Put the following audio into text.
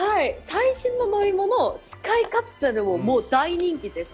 最新の乗り物、スカイカプセルも大人気です。